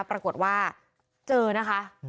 ปรากฏว่าเจอนะคะ